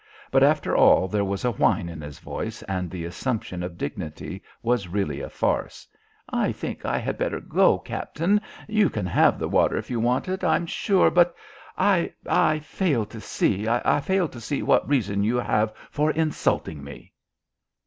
But after all there was a whine in his voice, and the assumption of dignity was really a farce. "I think I had better go, Captain. You can have the water if you want it, I'm sure. But but I fail to see I fail to see what reason you have for insulting me."